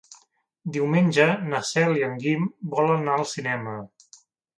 Diumenge na Cel i en Guim volen anar al cinema.